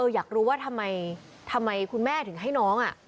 อยากรู้ว่าทำไมคุณแม่ถึงให้น้อง